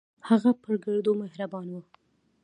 هغه پر ګردو مهربان و.